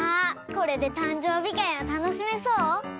これでたんじょうびかいをたのしめそう？